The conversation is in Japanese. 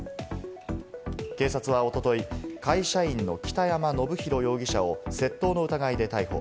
警察は、おととい、会社員の北山信宏容疑者を窃盗の疑いで逮捕。